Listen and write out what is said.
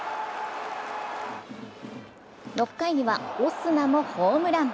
６回にはオスナもホームラン。